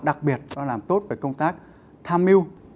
đặc biệt là làm tốt về công tác tham mưu